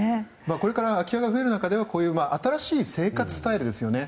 これから空き家が増える中では新しい生活スタイルですよね。